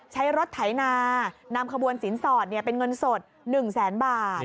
ใช้รถไถนานำขบวนสินสอดเป็นเงินสด๑แสนบาท